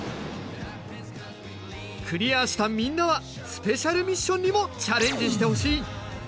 クリアしたみんなはスペシャルミッションにもチャレンジしてほしい。